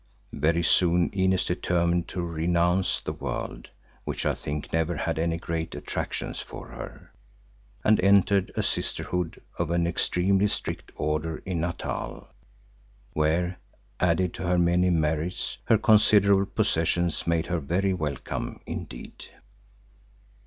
Very soon Inez determined to renounce the world, which I think never had any great attractions for her, and entered a sisterhood of an extremely strict Order in Natal, where, added to her many merits, her considerable possessions made her very welcome indeed.